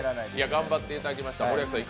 頑張っていただきました。